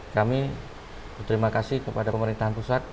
kami berterima kasih kepada pemerintahan pusat